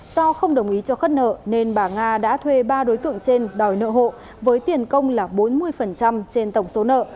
do không đồng ý cho khất nợ nên bà nga đã thuê ba đối tượng trên đòi nợ hộ với tiền công là bốn mươi trên tổng số nợ